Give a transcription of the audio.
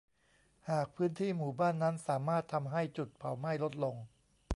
หากพื้นที่หมู่บ้านนั้นสามารถทำให้จุดเผาไหม้ลดลง